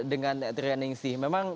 dengan trianing si memang